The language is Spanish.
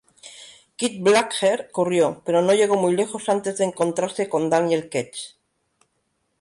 Kid Blackheart corrió, pero no llegó muy lejos antes de encontrarse con Daniel Ketch.